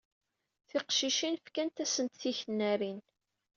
Tiqcicin fkan-asent tiknarin.